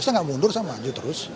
saya nggak mundur saya maju terus